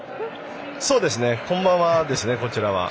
こんばんはですねこちらは。